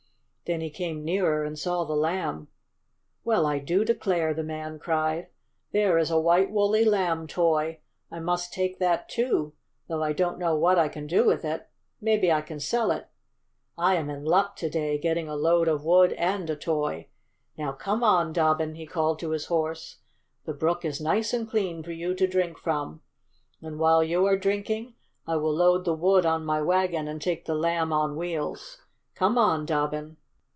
Then he came nearer and saw the Lamb. "Well, I do declare!" the man cried. "There is a white woolly Lamb toy! I must take that, too, though I don't know what I can do with it. Maybe I can sell it. I am in luck to day, getting a load of wood and a toy. Now come on, Dobbin!" he called to his horse. "The brook is nice and clean for you to drink from, and while you are drinking I will load the wood on my wagon and take the Lamb on Wheels. Come on, Dobbin!"